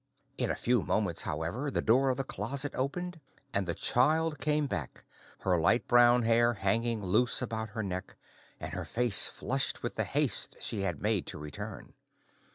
In a few moments, however, the door of the closet opened and the child came back, her light brown hair hanging loose about her neck, and her face flushed with the haste she had made to return.